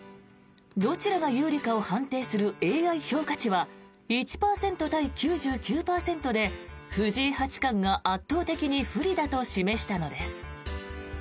どちらが有利かを判定するＡＩ評価値は１％対９９％で藤井八冠が圧倒的に不利だと示したのです。